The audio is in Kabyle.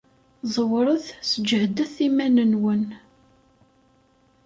Ẓewret, sǧehdet iman-nwen.